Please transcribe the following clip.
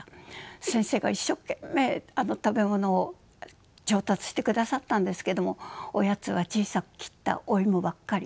先生が一生懸命食べ物を調達してくださったんですけれどもおやつは小さく切ったお芋ばっかり。